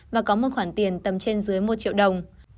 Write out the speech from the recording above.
và có một khoản tiền tầm trên dưới một triệu đồng